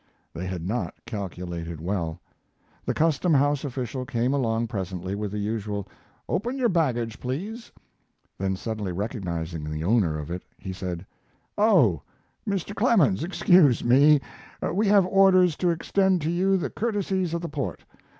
They had not calculated well; the Custom House official came along presently with the usual "Open your baggage, please," then suddenly recognizing the owner of it he said: "Oh, Mr. Clemens, excuse me. We have orders to extend to you the courtesies of the port.